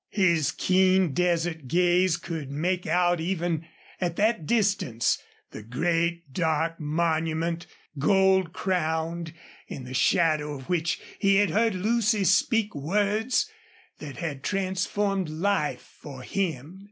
His keen desert gaze could make out even at that distance the great, dark monument, gold crowned, in the shadow of which he had heard Lucy speak words that had transformed life for him.